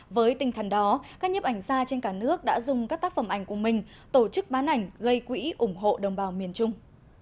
với tinh thần đó các nhiếp ảnh gia trên cả nước đã dùng các tác phẩm ảnh của mình tổ chức bán ảnh gây quỹ ủng hộ đồng bào miền trung